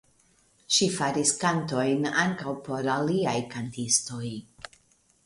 Ŝi faris kantojn ankaŭ por aliaj kantistoj.